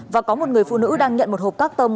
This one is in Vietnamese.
và có một người phụ nữ đang nhận một hộp các tông